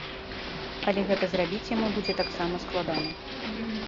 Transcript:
Але гэта зрабіць яму будзе таксама складана.